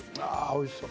おいしそう。